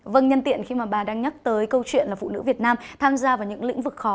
vâng nhân tiện khi mà bà đang nhắc tới câu chuyện là phụ nữ việt nam tham gia vào những lĩnh vực khó